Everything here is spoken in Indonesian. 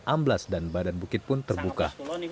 amblas dan badan bukit pun terbuka